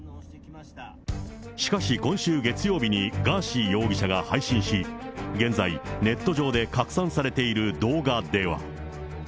しかし今週月曜日にガーシー容疑者が配信し、現在ネット上で拡散されている動画では。